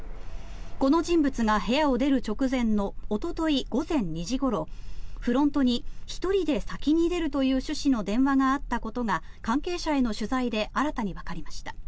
この人物が部屋を出る直前のおととい午前２時ごろフロントに１人で先に出るという趣旨の電話があったことが関係者への取材で新たにわかりました。